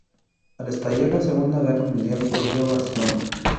Al estallar la Segunda Guerra Mundial volvió a Barcelona.